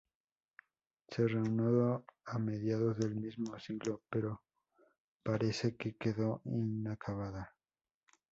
Se reanudó a mediados del mismo siglo pero parece que quedó inacabada.